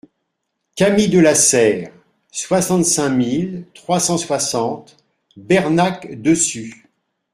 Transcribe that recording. Cami de la Serre, soixante-cinq mille trois cent soixante Bernac-Dessus